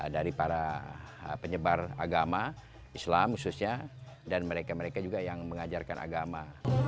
dari para penyebar agama islam khususnya dan mereka mereka juga yang mengajarkan agama